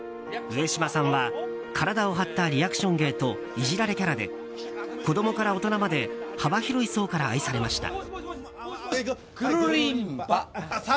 上島さんは、体を張ったリアクション芸といじられキャラで子供から大人まで幅広い層から愛されました。